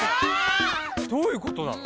⁉どういうことなの？